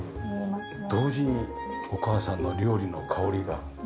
同時にお母さんの料理の香りが。